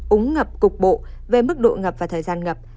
úng ngập cục bộ về mức độ ngập và thời gian ngập